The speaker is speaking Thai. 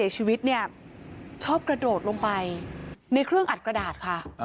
ชีวิตเนี่ยชอบกระโดดลงไปในเครื่องอัดกระดาษค่ะ